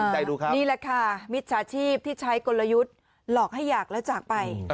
นี่แหละค่ะมิจฉาชีพที่ใช้กลยุทธ์หลอกให้อยากแล้วจากไป